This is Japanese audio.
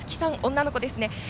女の子ですね。